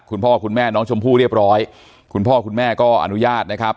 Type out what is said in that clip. คุณพ่อคุณแม่น้องชมพู่เรียบร้อยคุณพ่อคุณแม่ก็อนุญาตนะครับ